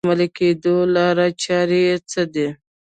د عملي کېدو لارې چارې یې څه دي؟